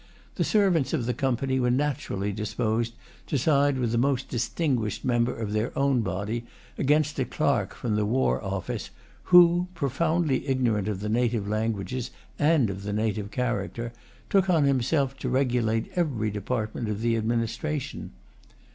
The servants of the Company were naturally disposed to side with the most distinguished member of their own body against a clerk from the war office,[Pg 152] who, profoundly ignorant of the native languages and of the native character, took on himself to regulate every department of the administration.